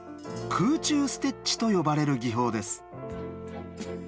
空中ステッチと呼ばれる技法です。